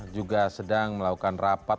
juga sedang melakukan rapat